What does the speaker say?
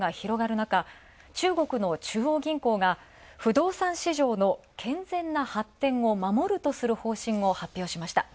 中国の中央銀行が、不動産市場の健全な発展を守るとする方針を発表しました。